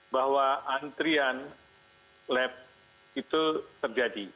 bahwa antrian lab itu terjadi